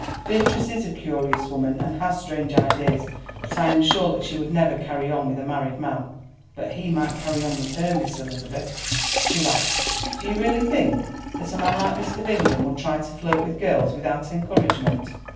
Beatrice is a curious woman, and has strange ideas, but I am sure that she would never carry on with a married man." "But he might carry on with her, Miss Elizabeth." She laughed. "Do you really think that a man like Mr. Bingham would try to flirt with girls without encouragement?